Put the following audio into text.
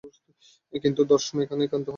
কিন্তু দর্শন এখানেই ক্ষান্ত হয় না।